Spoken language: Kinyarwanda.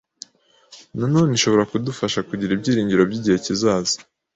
Nanone ishobora kudufasha kugira ibyiringiro by’igihe kizaza